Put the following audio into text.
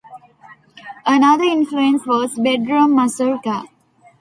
Another influence was "Bedroom Mazurka".